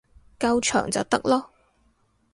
夠長就得囉